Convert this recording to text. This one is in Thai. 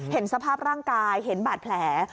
เห็นสภาพร่างกายเห็นบาดแผล